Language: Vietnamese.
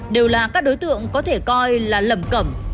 đều là các đối tượng có thể coi là lầm cẩm